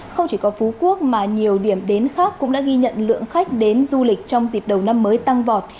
không chỉ có phú quốc mà nhiều điểm đến khác cũng đã ghi nhận lượng khách đến du lịch trong dịp đầu năm mới tăng vọt